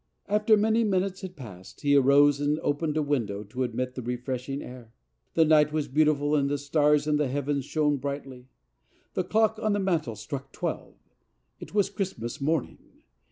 After many minutes had passed he arose and opened a win¬ dow to admit the refreshing air. The night was beautiful, and the stars in the heavens shone brightly. The clock on the mantel struck twelve. It was Christmas morning!